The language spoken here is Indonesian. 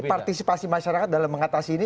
jadi partisipasi masyarakat dalam mengatasi ini